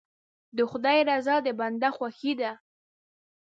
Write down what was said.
د خدای رضا د بنده خوښي ده.